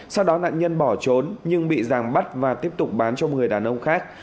sau đó nạn nhân bỏ trốn nhưng bị giàng bắt và tiếp tục bán cho một mươi đàn ông khác